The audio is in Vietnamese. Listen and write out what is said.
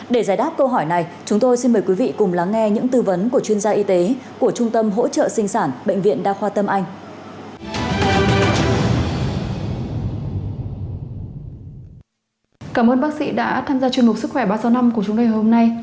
để giải đáp câu hỏi này chúng tôi xin mời quý vị cùng lắng nghe những tư vấn của chuyên gia y tế của trung tâm hỗ trợ sinh sản bệnh viện đa khoa tâm anh